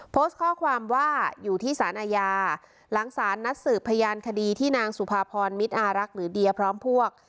โพสต์ข้อความว่าอยู่ที่สารอาญาหลังสารนัดสืบพยานคดีที่นางสุภาพรมิตอารักษ์หรือเดียพร้อมพวก